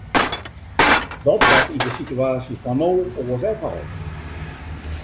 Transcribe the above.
Dat bart yn de situaasje fan no oars ek al.